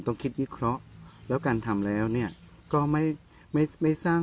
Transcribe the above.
ต้องคิดวิเคราะห์แล้วการทำแล้วเนี่ยก็ไม่ไม่สร้าง